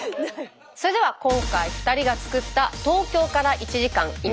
それでは今回２人が作った東京から１時間田舎の魅力！